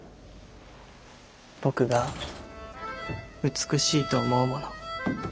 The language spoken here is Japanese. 僕が美しいと思うもの。